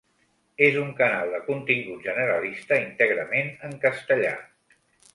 És un canal de contingut generalista íntegrament en castellà.